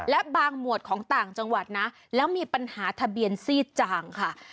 และบางหมวดของต่างจังหวัดนะแล้วมีปัญหาทะเบียนซีดจางค่ะ